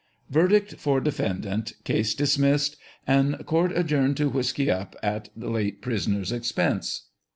Verdict for defendant, case dismissed, and court adjourned to whisky up at late prisoner's expense.